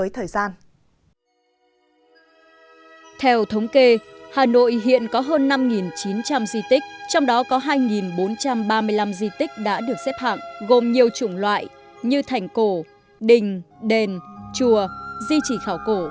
theo thống kê hà nội hiện có hơn năm chín trăm linh di tích trong đó có hai bốn trăm ba mươi năm di tích đã được xếp hạng gồm nhiều chủng loại như thành cổ đình đền chùa di chỉ khảo cổ